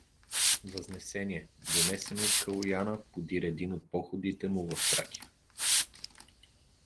Възнесение“, донесена от Калояна подир един от походите му в Тракия.